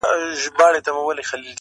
په دې ښار کي په سلگونو یې خپلوان وه٫